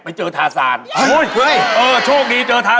มันจะกลายเป็นลูกหมูกับพระ